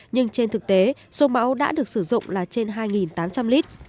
nhưng trên thực tế số mẫu đã được sử dụng là trên hai tám trăm linh lít